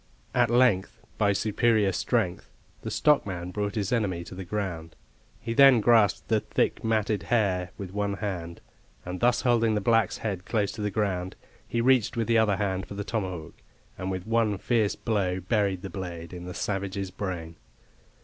At length, by superior strength, the stockman brought his enemy to the ground. He then grasped the thick, matted hair with one hand, and thus holding the black's head close to the ground, he reached with the other hand for the tomahawk, and with one fierce blow buried the blade in the savage's brain.